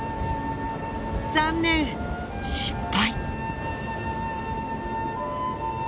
残念失敗。